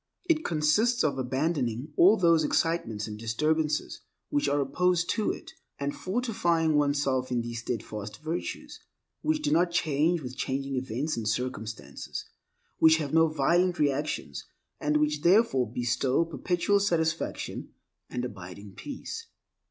It consists of abandoning all those excitements and disturbances which are opposed to it, and fortifying one's self in these steadfast virtues, which do not change with changing events and circumstances, which have no violent reactions, and which therefore bestow perpetual satisfaction and abiding peace.